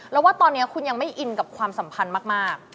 แล้วว่าตอนนี้คุณยังไม่อินกับความสัมพันธ์มาก